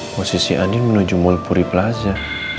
posisi andien menuju mall puri plaza